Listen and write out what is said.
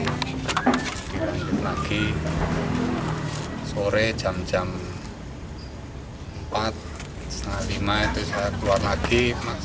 kemudian lagi sore jam jam empat lima itu saya keluar lagi